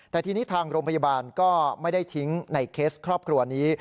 แต่ทีนี้ทางโรงพยาบาลก็ไม่ได้ทิ้งในเคสครอบครัวนี้